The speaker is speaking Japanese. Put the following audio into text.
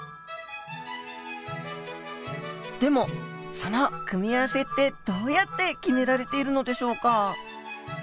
でもその組み合わせってどうやって決められているのでしょうか？